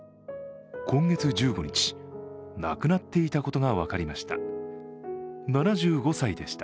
今月１５日、亡くなっていたことが分かりました。